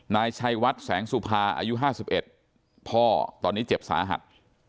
นายชัยวัดแสงสุภาอายุ๕๑พ่อตอนนี้เจ็บสาหัส